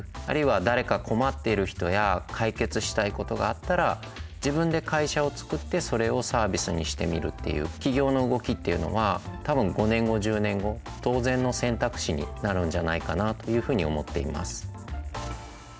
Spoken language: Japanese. あるいは誰か困ってる人や解決したいことがあったら自分で会社を作ってそれをサービスにしてみるっていう起業の動きっていうのは多分５年後１０年後当然の選択肢になるんじゃないかなというふうに思っています。